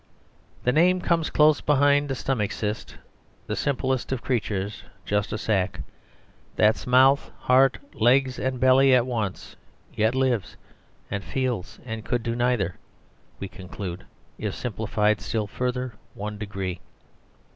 "The Name comes close behind a stomach cyst, The simplest of creations, just a sac That's mouth, heart, legs, and belly at once, yet lives And feels, and could do neither, we conclude, If simplified still further one degree." (SLUDGE.)